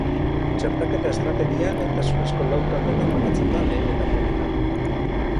Txertaketa-estrategia lehentasunezko lau taldetan banatzen da lehen etapa honetan.